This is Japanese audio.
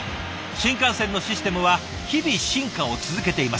新幹線のシステムは日々進化を続けています。